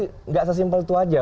tidak sesimpel itu saja